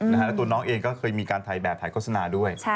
แล้วตัวน้องเองก็เคยมีการถ่ายแบบถ่ายโฆษณาด้วย